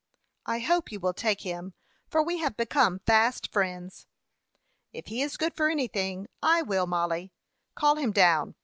"I hope you will take him, for we have become fast friends." "If he is good for anything, I will, Mollie. Call him down.